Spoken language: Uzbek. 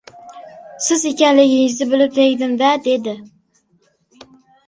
— Siz ekanligingizni bilib tegdim-da, — dedi.